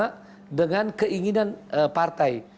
ulama dengan keinginan partai